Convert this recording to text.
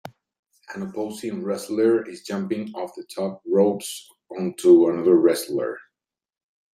An opposing wrestler is jumping off the top ropes onto another wrestler.